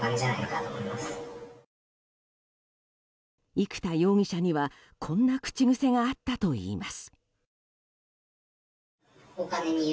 生田容疑者にはこんな口癖があったといいます。